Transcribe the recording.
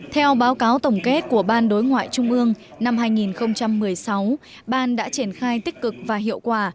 theo báo cáo tổng kết của ban đối ngoại trung ương năm hai nghìn một mươi sáu ban đã triển khai tích cực và hiệu quả